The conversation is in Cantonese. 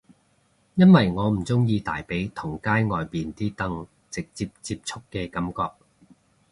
因為我唔鍾意大髀同街外面啲凳直接接觸嘅感覺